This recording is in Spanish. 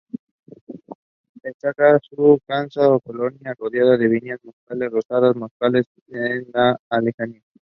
Destaca su casona colonial rodeada de viñas de moscatel rosada y moscatel de alejandría.